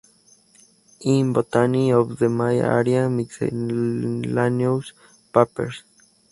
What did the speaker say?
In: Botany of the Maya area: Miscellaneous papers.